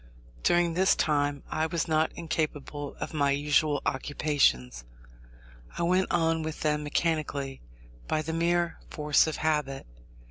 During this time I was not incapable of my usual occupations. I went on with them mechanically, by the mere force of habit.